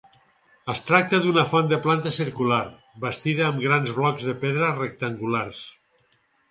Es tracta d'una font de planta circular, bastida amb grans blocs de pedra rectangulars.